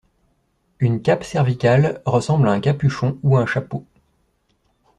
Une cape cervicale ressemble à un capuchon ou à un chapeau.